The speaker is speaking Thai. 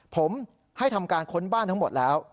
ผมให้ทำการค้นบ้านทั้งหมดแล้ว